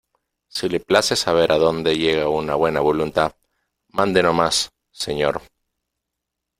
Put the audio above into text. si le place saber a dónde llega una buena voluntad , mande no más , señor .